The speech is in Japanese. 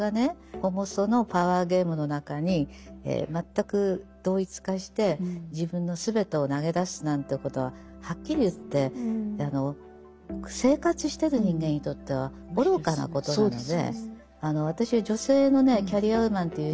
ホモソのパワーゲームの中に全く同一化して自分の全てを投げ出すなんていうことははっきりいって生活してる人間にとっては愚かなことなので私は女性のねキャリアウーマンという人でもね